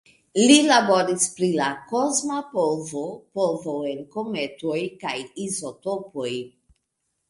Li laboris pri la kosma polvo, polvo en kometoj kaj izotopoj.